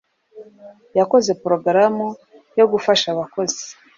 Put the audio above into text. yakoze porogaramu yo gufasha abakozi